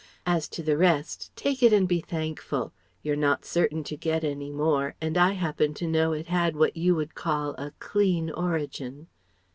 As to the rest, take it and be thankful. You're not certain to get any more and I happen to know it had what you would call a 'clean origin.'"